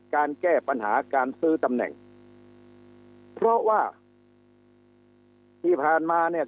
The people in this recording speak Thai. การแก้ปัญหาการซื้อตำแหน่งเพราะว่าที่ผ่านมาเนี่ย